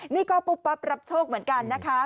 นี่ก็ปุ๊บปั๊บรับโชคเหมือนกันนะคะ